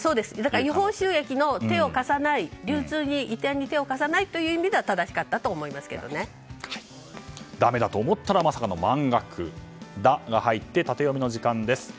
違法収益の手を貸さない流通移転に手を貸さないという意味ではダメだと思ったらまさかの満額「ダ」が入ってタテヨミの時間です。